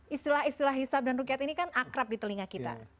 istilah istilah hisab dan rukyat ini kan akrab di telinga kita